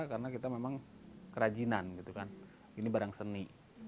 karena kita memang kerajinan gitu kan ini barang seni